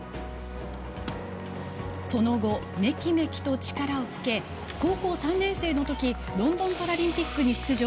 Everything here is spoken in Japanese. その後、めきめきと力をつけ高校３年生のときロンドンパラリンピックに出場